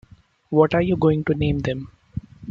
What are you going to name them?